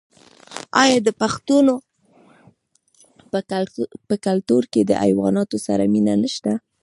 آیا د پښتنو په کلتور کې د حیواناتو سره مینه نشته؟